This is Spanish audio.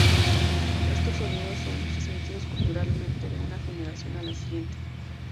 Estos sonidos son transmitidos culturalmente de una generación a la siguiente.